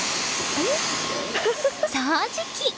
掃除機！